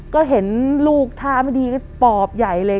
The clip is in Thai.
ก็เห็นลูกทางก็ปลอบใหญ่เลย